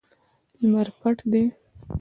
لمر پټ دی